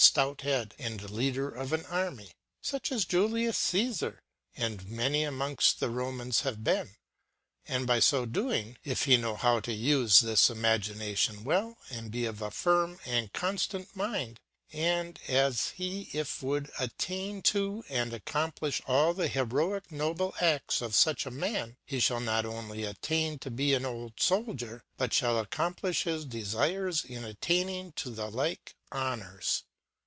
^j (^out Head and leader of m Array, fuch as Jhllm CafoTyXnd many amongft the Romans have been ; and by fo doing, if he know how to ufethis Ima ginaticn well ^ and be of a firm and conrtanc minde, and as he if would attain to and accom plifhallthe heroick noble a6ls of fuch a man; he fliall not onely attain to be an old Souldier, but fliall accompliOi his defites in attaining to the like honours.